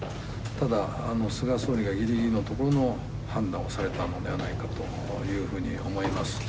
ただ、菅総理がぎりぎりのところの判断をされたのではないかというふうに思います。